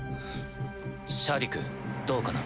シャディクどうかな？